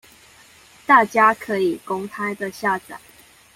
大家可以公開的下載